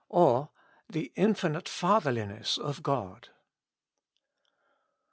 or, The Infinite Fatherli ness of God.